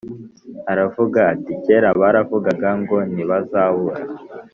Aravuga ati Kera baravugaga ngo ntibazabura